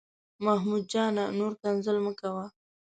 محمود جانه، نور کنځل مه کوه.